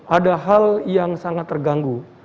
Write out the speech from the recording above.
ada hal yang sangat terganggu